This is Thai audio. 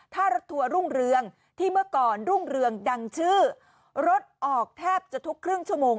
ถ้ารถทัวร์รุ่งเรืองที่เมื่อก่อนรุ่งเรืองดังชื่อรถออกแทบจะทุกครึ่งชั่วโมง